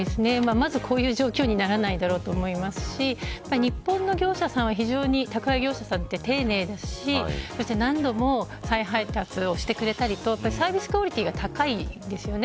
まずこういう状況にならないだろうと思いますし日本の宅配業者さんは非常に丁寧ですし何度も再配達をしてくれたりとサービスクオリティが高いんですよね。